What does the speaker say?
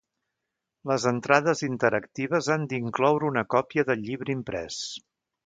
Les entrades interactives han d'incloure una còpia del llibre imprès.